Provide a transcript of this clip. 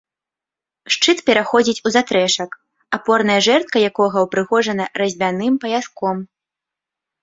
Шчыт пераходзіць у застрэшак, апорная жэрдка якога ўпрыгожана разьбяным паяском.